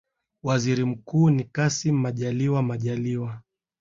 Waziri Mkuu ni Kassim Majaliwa Majaliwa